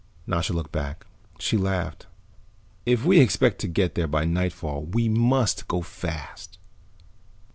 Nasha looked back. She laughed. "If we expect to get there by nightfall we must go fast."